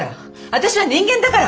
私は人間だから！